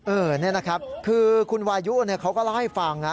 นี่นะครับคือคุณวายุเขาก็เล่าให้ฟังนะ